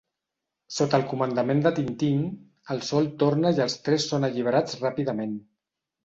Sota el comandament de Tintin, el Sol torna i els tres són alliberats ràpidament.